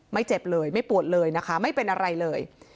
เจ็บเลยไม่ปวดเลยนะคะไม่เป็นอะไรเลย